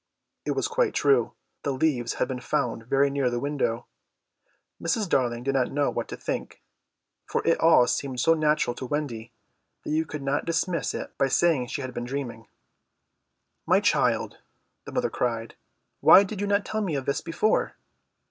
It was quite true; the leaves had been found very near the window. Mrs. Darling did not know what to think, for it all seemed so natural to Wendy that you could not dismiss it by saying she had been dreaming. "My child," the mother cried, "why did you not tell me of this before?"